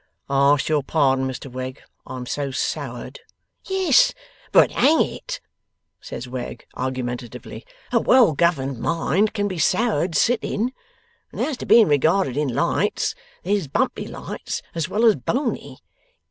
'I ask your pardon, Mr Wegg. I am so soured.' 'Yes, but hang it,' says Wegg argumentatively, 'a well governed mind can be soured sitting! And as to being regarded in lights, there's bumpey lights as well as bony.